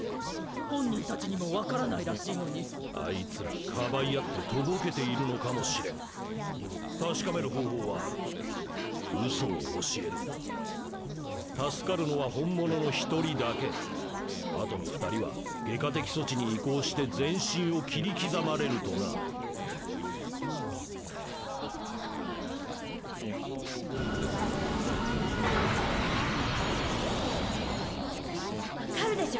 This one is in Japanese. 本人たちにも分からないらしいのにあいつらかばい合ってとぼけているの確かめる方法はある嘘を教えるんだ助かるのは本物の一人だけあとの二人は外科的措置に移行して全身を切り刻まれるとなはっ分かるでしょ？